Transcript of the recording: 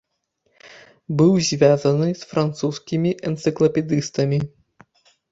Быў звязаны з французскімі энцыклапедыстамі.